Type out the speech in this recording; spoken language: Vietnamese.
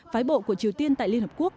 phái bộ của triều tiên tại liên hợp quốc